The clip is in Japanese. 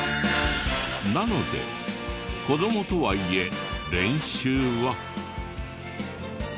なので子供とはいえ練習は。